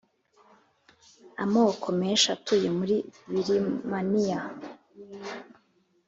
amoko menshi atuye muri Birimaniya